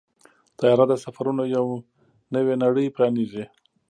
طیاره د سفرونو یو نوې نړۍ پرانیزي.